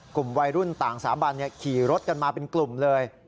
กลุ่มวัยรุ่นต่างสถาบันขี่รถกันมาเป็นกลุ่มเลย